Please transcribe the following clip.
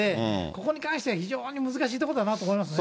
ここに関しては、非常に難しいところだなと思いますね。